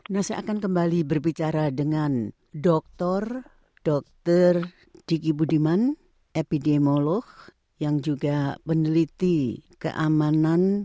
nah saya akan kembali berbicara dengan dokter dr diki budiman epidemiolog yang juga peneliti keamanan